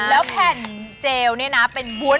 แล้วแผ่นเจลนี่นะเป็นบุตร